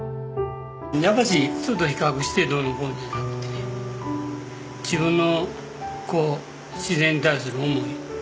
やっぱり人と比較してどうのこうのじゃなくてね自分のこう自然に対する思い